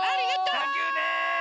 サンキューね！